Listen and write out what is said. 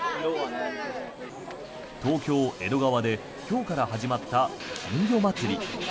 東京・江戸川で今日から始まった金魚まつり。